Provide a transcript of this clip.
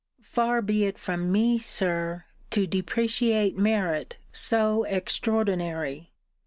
Far be it from me, Sir, to depreciate merit so extraordinary.